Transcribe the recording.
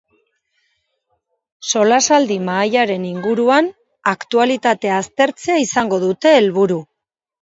Solasaldi mahaiaren inguruan, aktualitatea aztertzea izango dute helburu.